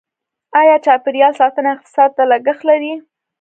آیا چاپیریال ساتنه اقتصاد ته لګښت لري؟